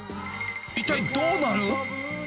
一体、どうなる？